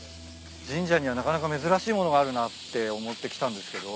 神社にはなかなか珍しい物があるなって思って来たんですけど。